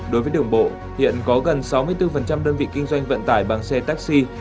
đối với đường bộ hiện có gần sáu mươi bốn đơn vị kinh doanh vận tải bằng xe taxi